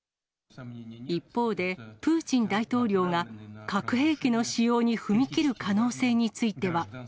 一方で、プーチン大統領が核兵器の使用に踏み切る可能性については。